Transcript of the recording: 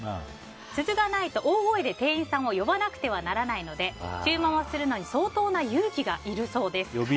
鈴がないと大声で店員さんを呼ばなくてはならないので注文をするのに相当な勇気がいるそうです。